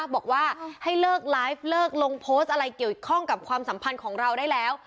บอกว่าให้เลิกไลฟ์เลิกลงโพสต์อะไรเกี่ยวข้องกับความสัมพันธ์ของเราได้แล้ว